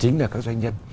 chính là các doanh nhân